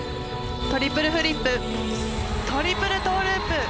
トリプルフリップ、トリプルトーループ。